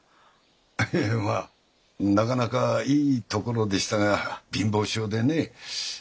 ええまあなかなかいい所でしたが貧乏性でね